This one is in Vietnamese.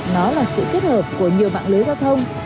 nó là sự kết hợp của nhiều mạng lưới giao thông